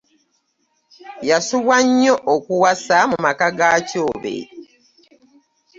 Yasubwa nnyo okuwasa mu maka ga Kyobe.